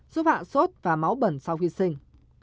giúp hạ sốt và máu bẩn sau khi sinh